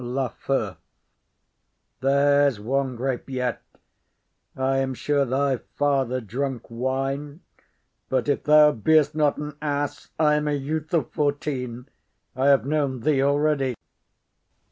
LAFEW. There's one grape yet. I am sure thy father drank wine. But if thou beest not an ass, I am a youth of fourteen; I have known thee already.